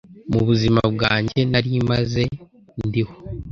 mu buzima bwanjye nari maze ndiho.